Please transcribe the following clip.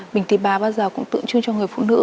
bình tì bà bao giờ cũng tượng trưng cho người phụ nữ